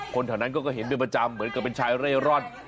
แถวนั้นก็เห็นเป็นประจำเหมือนกับเป็นชายเร่ร่อน